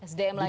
sdm lagi ya